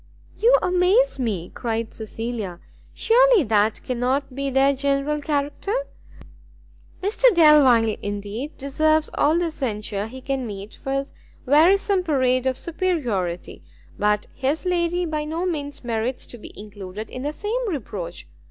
"You amaze me!" cried Cecilia; "surely that cannot be their general character? Mr Delvile, indeed, deserves all the censure he can meet for his wearisome parade of superiority; but his lady by no means merits to be included in the same reproach.